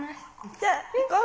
「じゃあ行こう」。